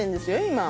今。